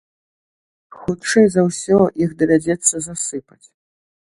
Хутчэй за ўсё, іх давядзецца засыпаць.